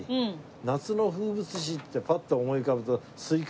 夏の風物詩ってパッと思い浮かぶとスイカ？